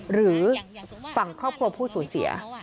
หรือฝั่งครอบครัวผู้สูญเสีย